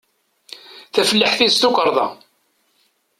Tafellaḥt-is d tukarḍa.